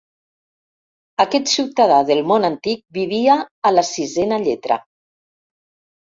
Aquest ciutadà del món antic vivia a la sisena lletra.